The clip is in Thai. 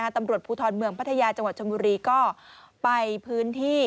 ตำรวจภูทรเมืองพัทยาจังหวัดชนบุรีก็ไปพื้นที่